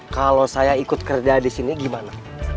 kalau saya ikut kerja di sini gimana